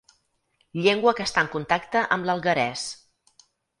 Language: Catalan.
Llengua que està en contacte amb l'alguerès.